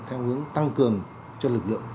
theo hướng tăng cường cho lực lượng